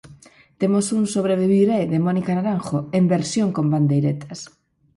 Temos un "Sobreviviré" de Mónica Naranjo en versión con pandeiretas.